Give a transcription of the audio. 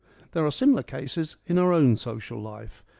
There are similar cases in our own social life.